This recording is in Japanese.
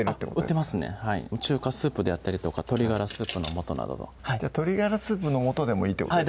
売ってますね中華スープであったりとか鶏がらスープのもとなどの鶏がらスープのもとでもいいってことですか？